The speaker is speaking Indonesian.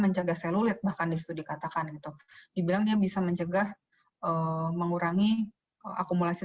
mencegah selulit bahkan disitu dikatakan itu dibilang dia bisa mencegah mengurangi akumulasi